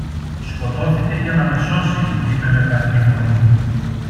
Σκοτώθηκε για να με σώσει, είπε με βραχνή φωνή.